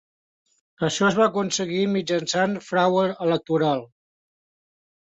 Això es va aconseguir mitjançant frau electoral.